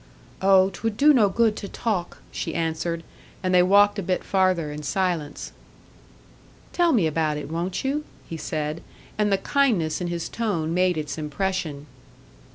"Oh, 'twould do no good to talk," she answered; and they walked a bit farther in silence. "Tell me about it, won't you?" he said; and the kindness in his tone made its impression.